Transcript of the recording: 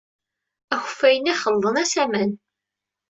Akeffay-nni xelḍen-as aman.